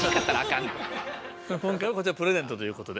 今回はこちらプレゼントということで。